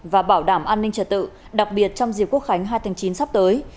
và bảo đảm an ninh trật tự đặc biệt trong dịp quốc khánh hai tháng chín sắp tới